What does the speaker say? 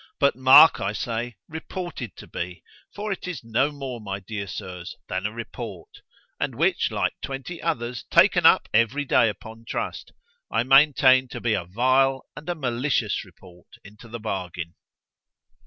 _——But mark—I say, reported to be—for it is no more, my dear Sirs, than a report, and which, like twenty others taken up every day upon trust, I maintain to be a vile and a malicious report into the bargain.